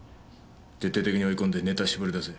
徹底的に追い込んでネタ搾り出せ。